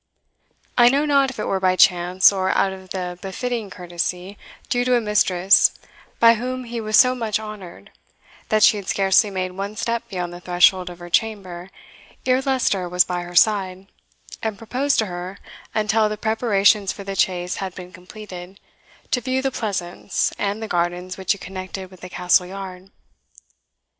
I know not if it were by chance, or out of the befitting courtesy due to a mistress by whom he was so much honoured, that she had scarcely made one step beyond the threshold of her chamber ere Leicester was by her side, and proposed to her, until the preparations for the chase had been completed, to view the Pleasance, and the gardens which it connected with the Castle yard.